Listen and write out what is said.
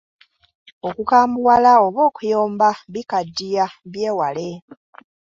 Okukambuwala oba okuyomba bikaddiya byewale.